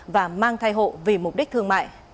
và mang thai hộ vì mục đích thương mại